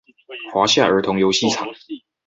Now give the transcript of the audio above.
華夏兒童遊戲場